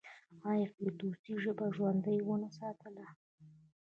آیا فردوسي ژبه ژوندۍ ونه ساتله؟